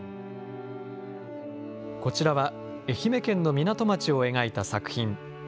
こちらは愛媛県の港町を描いた作品。